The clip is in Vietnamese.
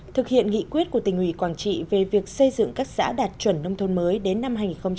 thực hiện nghị quyết của tỉnh ủy quảng trị về việc xây dựng các xã đạt chuẩn nông thôn mới đến năm hai nghìn hai mươi